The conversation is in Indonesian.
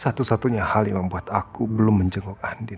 satu satunya hal yang membuat aku belum menjenguk andi